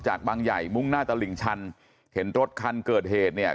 บางใหญ่มุ่งหน้าตลิ่งชันเห็นรถคันเกิดเหตุเนี่ย